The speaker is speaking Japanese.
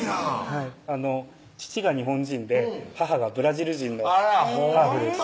はい父が日本人で母がブラジル人のハーフです